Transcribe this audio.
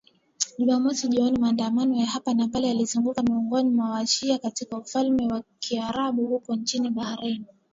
Jumamosi jioni maandamano ya hapa na pale yalizuka miongoni mwa wa-shia katika ufalme wa karibu huko nchini Bahrain